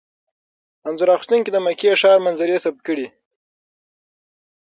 انځور اخیستونکي د مکې ښاري منظرې ثبت کړي.